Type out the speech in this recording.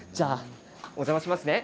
お邪魔しますね。